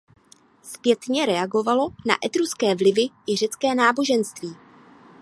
Zpětně reagovalo na etruské vlivy i řecké náboženství.